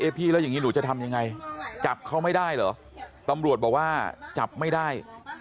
พี่แล้วอย่างนี้หนูจะทำยังไงจับเขาไม่ได้เหรอตำรวจบอกว่าจับไม่ได้